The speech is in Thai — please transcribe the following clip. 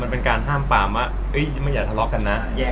เป็นการห้ามปลาว่ามันอย่าทะเลาะกันนะ